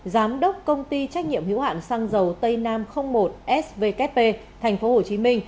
giám đốc công ty trách nhiệm hữu hạn xăng dầu tây nam một svkp tp hcm